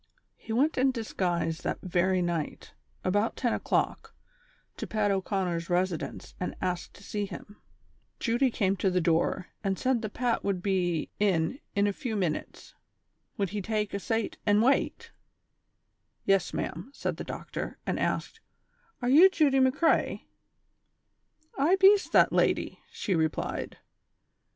lie went in disguise that very night, about ten o'clock, to Pat O'Conner's residence and asked to see him ; Judy came to the door and said that Pat would be in in a few minutes, "would he take a sate an' wate V " "Yes, ma'am," said the doctor, and asked, "Are you Judy McCrea V "" I bees that lady," she replied.